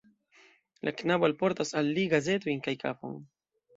La knabo alportas al li gazetojn kaj kafon.